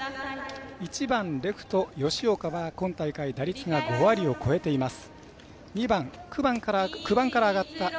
１番レフト、吉岡は今大会打率が５割を超えています。